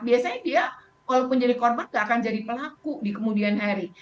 biasanya dia walaupun jadi korban nggak akan jadi pelaku di kemudian hari